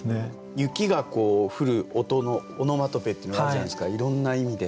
雪が降る音のオノマトペっていうのあるじゃないですかいろんな意味で。